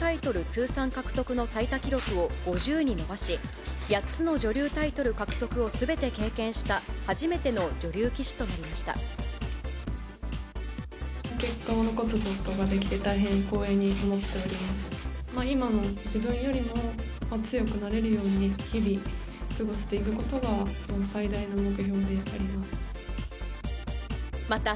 通算獲得の最多記録を５０に伸ばし、８つの女流タイトル獲得をすべて経験した初めての女流棋士となり結果を残すことができて大変光栄に思っております。